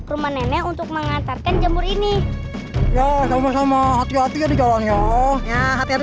rumah nenek untuk mengantarkan jemur ini ya sama sama hati hatinya di jalan ya ya hati hati